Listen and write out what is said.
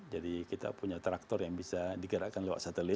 jadi kita punya tractor yang bisa digerakkan lewat satelit